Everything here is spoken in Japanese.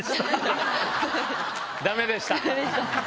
ダメでした。